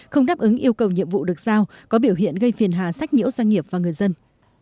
không đáp ứng yêu cầu nhiệm vụ được giao có biểu hiện gây phiền hà sách nhiễu doanh nghiệp và người dân